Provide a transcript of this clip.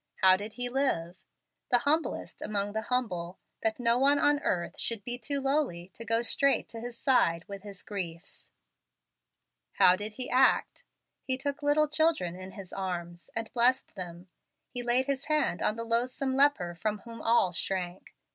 How did He live? The humblest among the humble, that no one on earth should be too lowly to go straight to His side with his griefs. How did He act? He took little children in His arms, and blessed them. He laid His hand on the loathsome leper from whom all shrank.